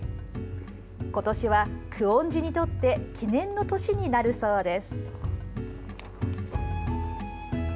ことしは久遠寺にとって記念の年になるそうです。